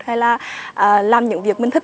hay là làm những việc mình thích